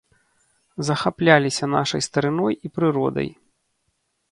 Захапляліся нашай старыной і прыродай.